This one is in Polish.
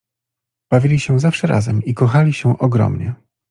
Bawili się zawsze razem i kochali się ogromnie.